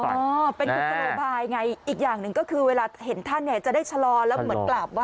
อ๋อเป็นกุศโลบายไงอีกอย่างหนึ่งก็คือเวลาเห็นท่านเนี่ยจะได้ชะลอแล้วเหมือนกราบไห